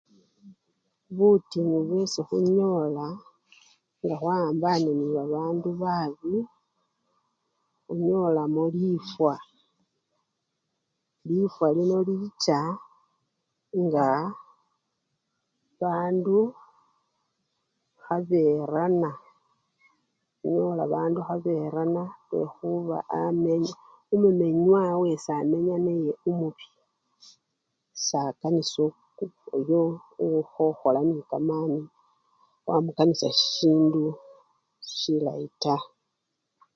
Butinyu bwesi khunyola nga khwawambane nebabandu babi, khunyolamo lifwa, lifwa lino licha nga bandu khaberana ne nola bandu khaberana lwekhuba amee! omumenya wowo esamenya naye omubii sakanisa iiu! uyo okhokhola nekamani wamukanisa sisindu silayi taa.